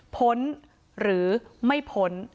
พ้นหรือไม่พ้น